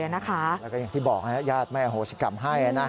แล้วก็อย่างที่บอกญาติแม่โหสิกรรมให้